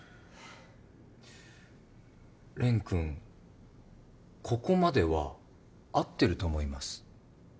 レン君ここまでは合ってると思います。